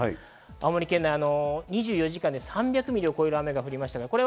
青森県内２４時間で３００ミリを超える雨が降りました。